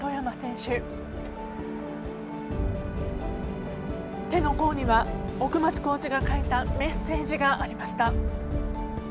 手の甲には、奥松コーチが書いたメッセージがありました。